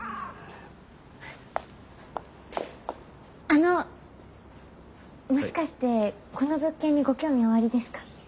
あのもしかしてこの物件にご興味おありですか？